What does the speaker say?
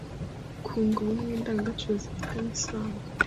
“kunga ubumwe” Indangagaciro zifi tanye isano